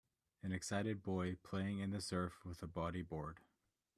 An excited boy playing in the surf with a body board.